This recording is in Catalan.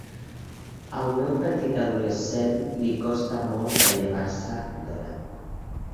Al meu petit adolescent li costa molt de llevar-se d'hora.